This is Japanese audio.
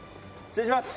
失礼します！